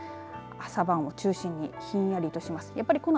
朝晩を中心にひんやりとします